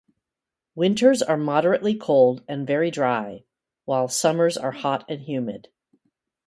Winters are moderately cold and very dry, while summers are hot and humid.